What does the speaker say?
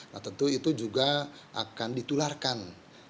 nah tentu itu juga akan ditularkan